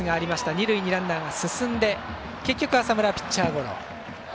二塁にランナーが進んで結局、浅村はピッチャーゴロ。